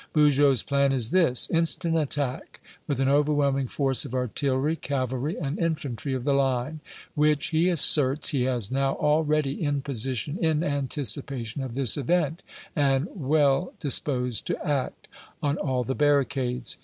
Bugeaud's plan is this: Instant attack with an overwhelming force of artillery, cavalry and infantry of the Line, (which, he asserts, he has now all ready in position in anticipation of this event, and well disposed to act,) on all the barricades.